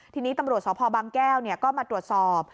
ทีนี้ตำรวจสพบางแก้วก็มาตรวจสอบ